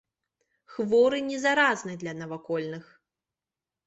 Хворы не заразны для навакольных.